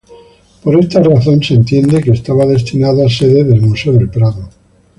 Por esta razón, se entiende que estaba destinado a sede del Museo del Prado.